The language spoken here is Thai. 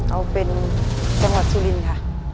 เอาเป็นจังหวัดสุรินทร์ค่ะ